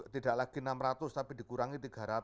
tidak lagi enam ratus tapi dikurangi tiga ratus